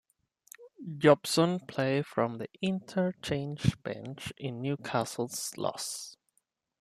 Jobson played from the interchange bench in Newcastle's loss.